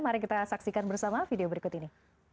mari kita saksikan bersama video berikut ini